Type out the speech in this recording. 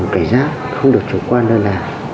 cái giác không được chủ quan đơn là